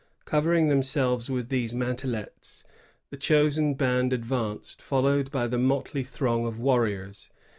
Covering themselves with these mantelets, the chosen band advanced, followed by the motley throng of warriors.